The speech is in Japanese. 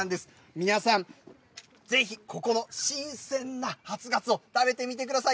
皆さんぜひ、ここの新鮮な初がつお食べてみてください。